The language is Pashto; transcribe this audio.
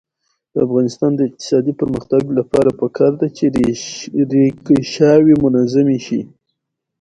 د افغانستان د اقتصادي پرمختګ لپاره پکار ده چې ریکشاوې منظمې شي.